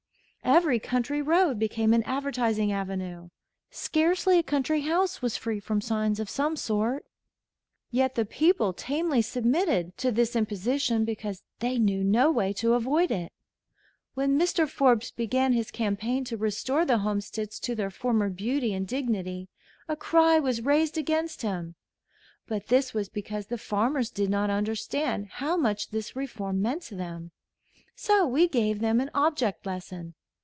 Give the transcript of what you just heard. Every country road became an advertising avenue. Scarcely a country house was free from signs of some sort. Yet the people tamely submitted to this imposition because they knew no way to avoid it. When Mr. Forbes began his campaign to restore the homesteads to their former beauty and dignity, a cry was raised against him. But this was because the farmers did not understand how much this reform meant to them. So we gave them an object lesson.